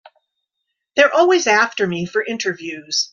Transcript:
They're always after me for interviews.